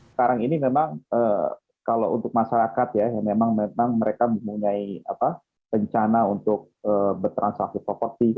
sekarang ini memang kalau untuk masyarakat ya yang memang mereka mempunyai rencana untuk bertransaksi properti